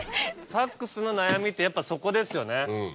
サックスの悩みってやっぱそこですよね。